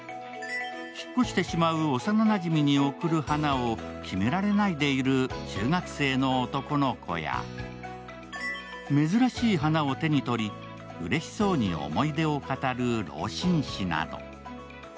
引っ越してしまう幼なじみに贈る花を決められないでいる中学生の男の子や珍しい花を手に取り、うれしそうに思い出を語る老紳士など。